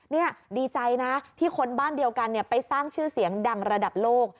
นี่ดีใจนะที่คนบ้านเดียวกันไปสร้างชื่อเสียงดังระดับโลก